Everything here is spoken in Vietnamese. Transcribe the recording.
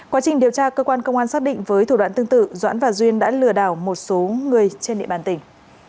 quá trình điều tra cơ quan công an xác định với thủ đoạn tương tự doãn và duyên đã lừa đảo một số người trên địa bàn tỉnh